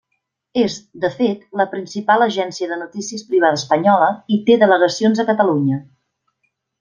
És, de fet, la principal agència de notícies privada espanyola i té delegacions a Catalunya.